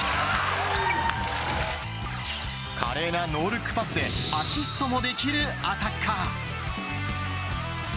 華麗なノールックパスでアシストもできるアタッカー。